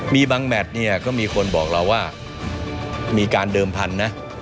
มีบางแมทเนี่ยก็มีคนบอกเราว่ามีการเดิมพันธุ์นะ